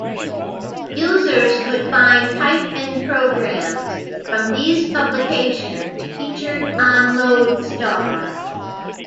Users could find type-in programs from these publications featured on "Loadstar".